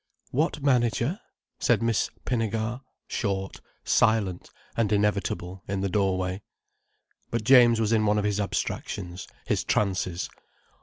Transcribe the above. "What manager?" said Miss Pinnegar, short, silent, and inevitable in the doorway. But James was in one of his abstractions, his trances.